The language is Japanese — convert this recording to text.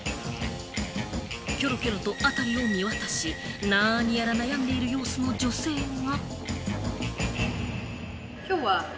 キョロキョロと辺りを見渡し、何やら悩んでいる様子の女性が。